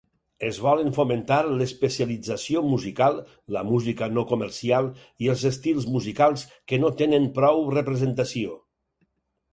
Es volen fomentar l'especialització musical, la música no comercial i els estils musicals que no tenen prou representació.